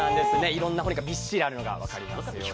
いろんな骨がびっしりあるのが分かりますよね。